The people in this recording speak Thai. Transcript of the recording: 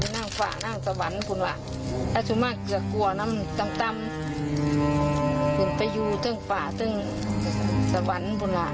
นั่งฝ่านั่งสวรรค์อาจจะกลัวน้ำตำอยู่ทั่งฝ่าทั่งสวรรค์